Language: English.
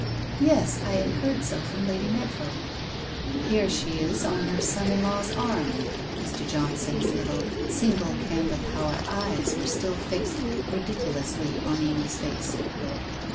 ' Yes, I had heard so from Lady Meadrow.' * Here she is on her son in law's arm.' Mr. Johnson's little, single candle power eyes were still fixed, ridicu lously, on Amy's face.